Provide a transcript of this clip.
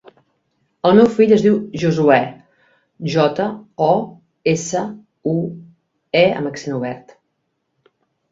El meu fill es diu Josuè: jota, o, essa, u, e amb accent obert.